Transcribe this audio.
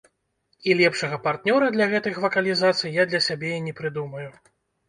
І лепшага партнёра для гэтых вакалізацый я для сябе і не прыдумаю.